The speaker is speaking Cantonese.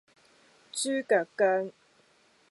豬腳薑